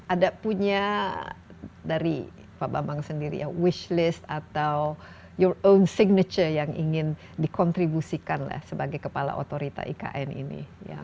ada punya dari pak bambang sendiri ya wish list atau your on signature yang ingin dikontribusikan sebagai kepala otorita ikn ini